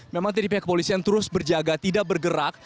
memang tadi pihak kepolisian terus berjaga tidak bergerak